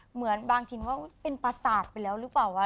เหมือนบางทีว่าเป็นประสาทไปแล้วหรือเปล่าวะ